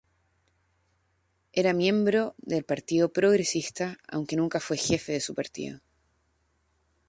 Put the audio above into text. Era miembro del Partido Progresista, aunque nunca fue jefe de su partido.